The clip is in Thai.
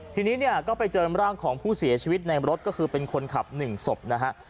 ทีนี้เนี่ยก็ไปเจอร่างของผู้เสียชีวิตในรถก็คือเป็นคนขับ๑ศพนะฮะ